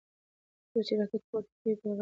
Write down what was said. کله چې راکټ پورته کیږي ډېر غږ کوي.